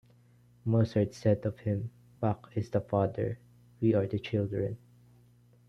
Mozart said of him, Bach is the father, we are the children.